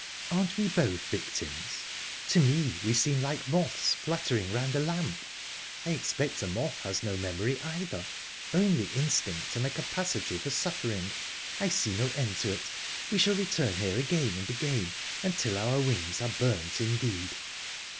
"Aren't we both victims? To me we seem like moths fluttering round a lamp. I expect a moth has no memory, either only instinct and a capacity for suffering...I see no end to it; we shall return here again and again, until our wings are burnt indeed!"